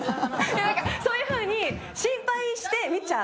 なんか、そういう風に心配して見ちゃう。